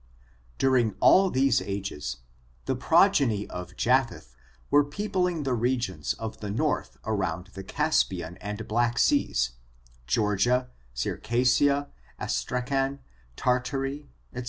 During all these ages, the progeny of Japheth were peopling the regions of the north around the Caspian and Black Seas, Georgia, Circassia, Astracan, Tarta ry, &c.